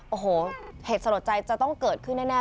โอ้โหเหตุสลดใจจะต้องเกิดขึ้นแน่